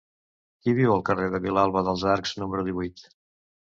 Qui viu al carrer de Vilalba dels Arcs número divuit?